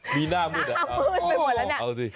มีหน้ามืดเหรอเอาเอาสิมืดไปหมดแล้วเนี่ย